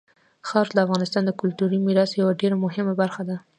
خاوره د افغانستان د کلتوري میراث یوه ډېره مهمه برخه ده.